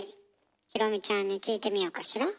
裕美ちゃんに聞いてみようかしら。